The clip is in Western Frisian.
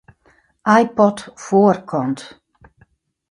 iPod foarkant.